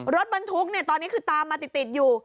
รถบรรทุกตอนนี้คือตามมาติดอยู่